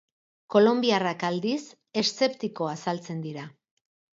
Kolonbiarrak, aldiz, eszeptiko azaltzen dira.